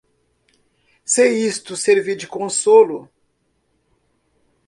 Se isto servir de consolo